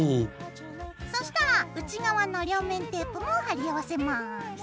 そしたら内側の両面テープも貼り合わせます。